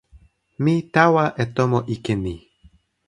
mi tawa e tomo ike ni.